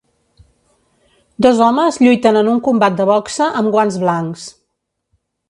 Dos homes lluiten en un combat de boxa amb guants blancs.